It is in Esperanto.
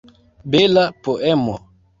Bela poemo!